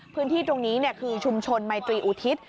พื้นที่ตรงนี้คือชุมชนไมตรีอุทิศ